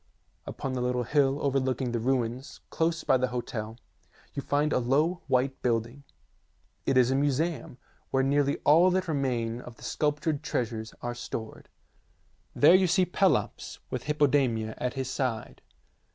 Upon the little hill over looking the ruins, close by the hotel, you find a low white building. It is the museum where nearly STATUE OF THE OLYMPIAN ZEUS 97 all that remain of the sculptured treasures are stored. There you see Pelops with Hippodamia at his side.